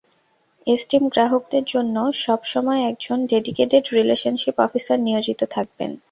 Esteem গ্রাহকদের জন্য সব সময় একজন ডেডিকেটেড রিলেশনশিপ অফিসার নিয়োজিত থাকবেন।